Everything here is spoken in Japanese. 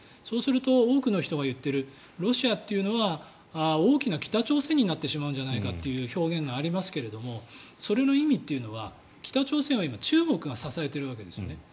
そうすると多くの人が言っているロシアというのは大きな北朝鮮になってしまうんじゃないかという表現がありますがそれの意味というのは北朝鮮は今、中国が支えているわけですよね。